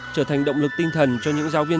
trở thành động lực tinh thần cho những giáo viên